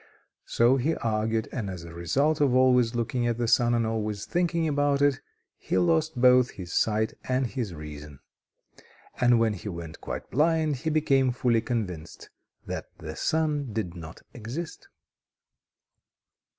So he argued, and, as a result of always looking at the sun and always thinking about it, he lost both his sight and his reason. And when he went quite blind, he became fully convinced that the sun did not exist.